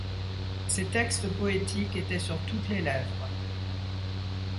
Ses textes poétiques étaient sur toutes les lèvres.